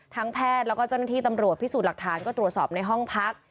แพทย์แล้วก็เจ้าหน้าที่ตำรวจพิสูจน์หลักฐานก็ตรวจสอบในห้องพัก